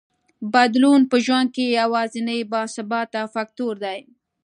بدلون په ژوند کې یوازینی باثباته فکټور دی.